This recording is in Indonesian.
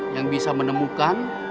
yang bisa menemukan